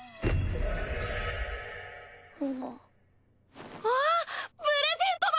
うんあっプレゼントだ！